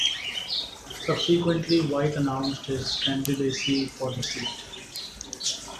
Subsequently, White announced his candidacy for the seat.